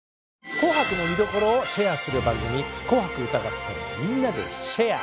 「紅白」の見どころをシェアする番組「紅白歌合戦＃みんなでシェア！」。